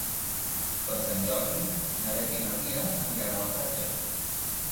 Per Sant Jordi na Beth i na Lia aniran a la platja.